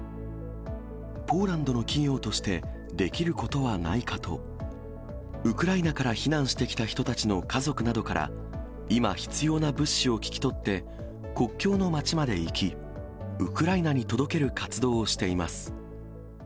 ポーランドの企業としてできることはないかと、ウクライナから避難してきた人たちの家族などから、今必要な物資を聞き取って、国境の街まで行き、ウクライナに届ける活動をしています。